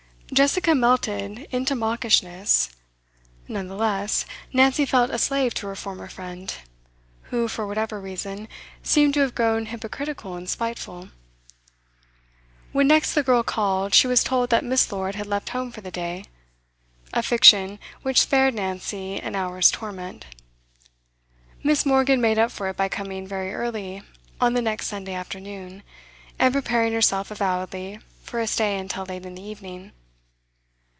Jessica melted into mawkishness; none the less, Nancy felt a slave to her former friend, who, for whatever reason, seemed to have grown hypocritical and spiteful. When next the girl called, she was told that Miss. Lord had left home for the day, a fiction which spared Nancy an hour's torment. Miss. Morgan made up for it by coming very early on the next Sunday afternoon, and preparing herself avowedly for a stay until late in the evening.